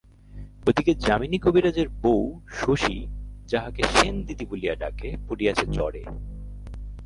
ওদিকে যামিনী কবিরাজের বৌ, শশী যাহাকে সেন দিদি বলিয়া ডাকে, পড়িয়াছে জ্বরে।